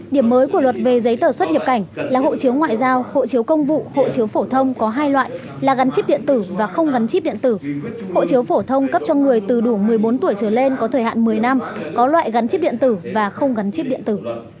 điểm mới của luật về giấy tờ xuất nhập cảnh là hộ chiếu ngoại giao hộ chiếu công vụ hộ chiếu phổ thông có hai loại là gắn chip điện tử và không gắn chip điện tử hộ chiếu phổ thông cấp cho người từ đủ một mươi bốn tuổi trở lên có thời hạn một mươi năm có loại gắn chip điện tử và không gắn chip điện tử